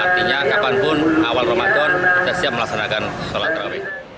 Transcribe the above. artinya kapanpun awal ramadan kita siap melaksanakan sholat terawih